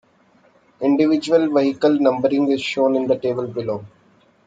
Individual vehicle numbering is shown in the table below.